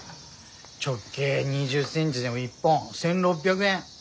直径２０センチでも一本１，６００円。